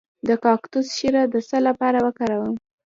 د کاکتوس شیره د څه لپاره وکاروم؟